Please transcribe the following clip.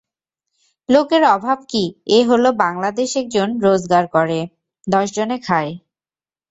লোকের অভাব কী এ হল বাংলাদেশ একজন রোজগার করে, দশজনে খায়।